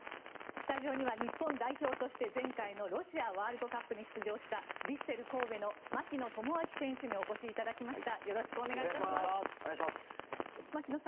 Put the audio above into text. スタジオには日本代表として前回のロシアワールドカップに出場した、ヴィッセル神戸の槙野智章選手にお越しいただきました。